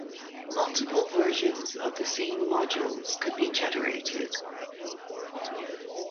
Multiple versions of the same modules could be generated.